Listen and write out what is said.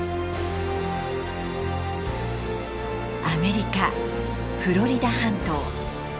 アメリカフロリダ半島。